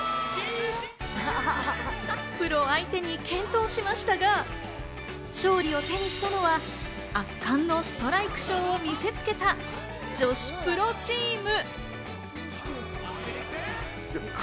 プロ相手に健闘しましたが、勝利を手にしたのは圧巻のストライクショーを見せつけた女子プロチーム。